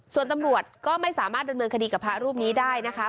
ส่วนตำรวจก็ไม่สามารถดำเนินคดีกับพระรูปนี้ได้นะคะ